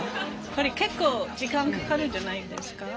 これ結構時間かかるんじゃないんですか？